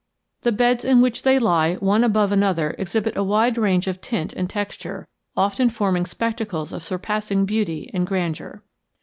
The beds in which they lie one above another exhibit a wide range of tint and texture, often forming spectacles of surpassing beauty and grandeur.